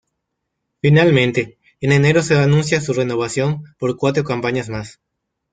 Finalmente, en enero se anuncia su renovación por cuatro campañas más.